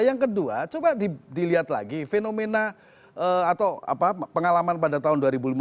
yang kedua coba dilihat lagi fenomena atau pengalaman pada tahun dua ribu lima belas